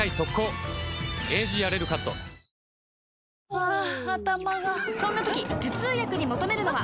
ハァ頭がそんな時頭痛薬に求めるのは？